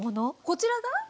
こちらが？